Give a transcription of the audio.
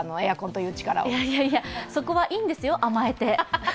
いやいやいや、そこはいいんですよ、甘えて。